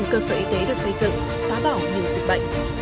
sáu cơ sở y tế được xây dựng xóa bỏ nhiều dịch bệnh